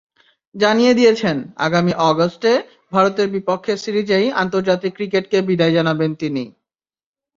জানিয়ে দিয়েছেন, আগামী আগস্টে ভারতের বিপক্ষে সিরিজেই আন্তর্জাতিক ক্রিকেটকে বিদায় জানাবেন তিনি।